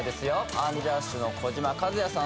アンジャッシュの児嶋一哉さん